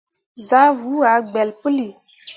Zah vuu ah gbelle puli.